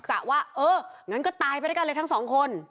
กะว่าเอองั้นก็ตายไปด้วยกันเลยทั้งสองคน